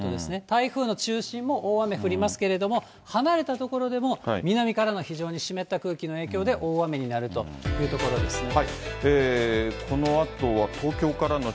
台風の中心も大雨降りますけれども、離れた所でも、南からの非常に湿った空気の影響で大雨になるというところですね。